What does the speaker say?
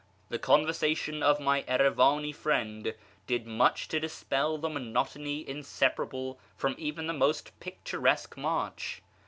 The conversation of my Erivani friend did much to dispel the monotony inseparable from even the most picturesque march.